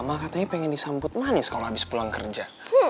ma katanya pengen disambut manis kalo habis pulang kerja